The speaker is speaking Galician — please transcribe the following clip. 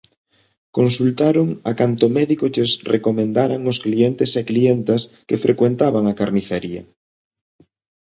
Consultaron a canto médico lles recomendaran os clientes e clientas que frecuentaban a carnicería.